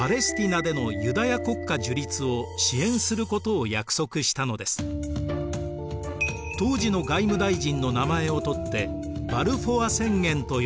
当時の外務大臣の名前を取ってバルフォア宣言と呼ばれています。